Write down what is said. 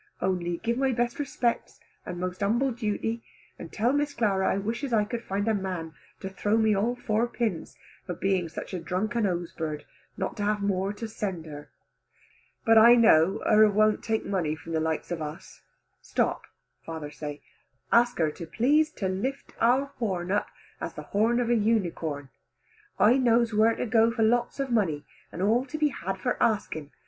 Only give my best respects and most humble duty, and tell Miss Clara I wishes I could find a man to throw me all four pins, for being such a drunken hosebird not to have more to send her. But I know her won't take money from the likes of us. Stop," father say, "ask her to please to lift our horn up as the horn of an unicorn. I knows where to go for lots of money and all to be had for asking.